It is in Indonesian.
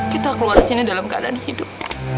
kita keluar sini dalam keadaan hidup